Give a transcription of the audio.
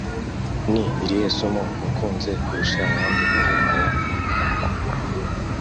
ni irihe somo wakunze kurusha ayandi muri aya mahugurwa